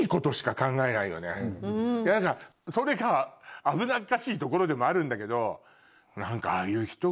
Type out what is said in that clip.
何かそれが危なっかしいところでもあるんだけど。